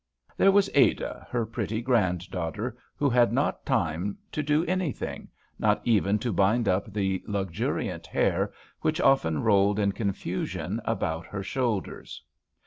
There was Ada, her pretty granddaughter, who had not time to do anything, not even to bind up the luxuriant hair which often rolled in confusion about her shoulders.